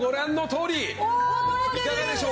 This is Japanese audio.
いかがでしょう？